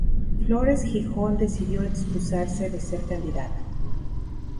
Flores Jijón decidió excusarse de ser candidato.